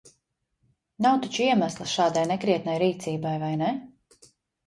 Nav taču iemesla šādai nekrietnai rīcībai, vai ne?